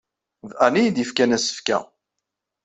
D Ann ay iyi-d-yefkan asefk-a.